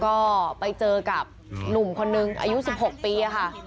ก็ไปเจอกับหนุ่มคนนึงอายุ๑๖ปีค่ะ